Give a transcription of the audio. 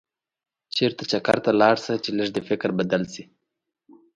چېرته چکر ته لاړ شه چې لږ دې فکر بدل شي.